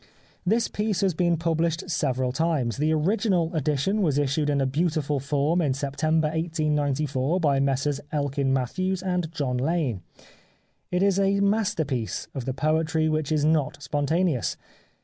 This piece has been published several times. The original edition was issued in a beautiful form in September 1894 by Messrs Elkin Matthews and John Lane. It is a master piece of the poetry which is not spontaneous.